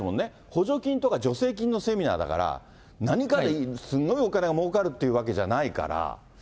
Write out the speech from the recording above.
補助金とか助成金のセミナーだから、何かすごくお金がもうかるっていうわけじゃないから。